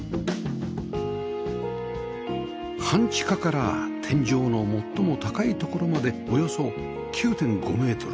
半地下から天井の最も高い所までおよそ ９．５ メートル